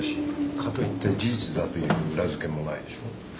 かといって事実だという裏付けもないでしょ。